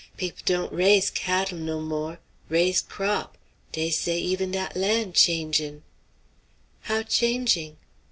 Peop' don't raise cattl' no more; raise crop'. Dey say even dat land changin'." "How changing?"